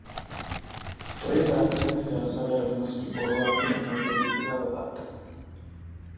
To je základní zásada rovnosti pohlaví a nelze ji ignorovat!